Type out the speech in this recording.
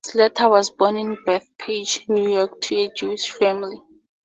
Slater was born in Bethpage, New York to a Jewish family.